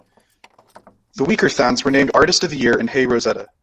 The Weakerthans were named Artist of the Year and Hey Rosetta!